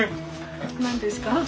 何ですか？